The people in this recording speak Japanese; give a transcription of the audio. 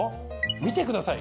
見てください。